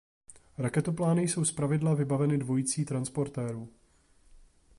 Raketoplány jsou zpravidla vybaveny dvojicí transportérů.